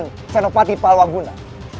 lekas sembuhkan senopati falaguna